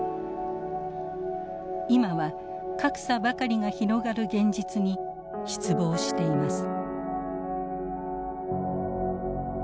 今は格差ばかりが広がる現実に失望しています。